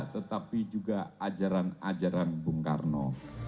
tetapi juga ajaran ajaran bung karno